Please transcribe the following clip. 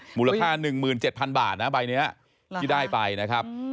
มูลค่า๑๗๐๐บาทนะใบนี้ที่ได้ไปนะครับ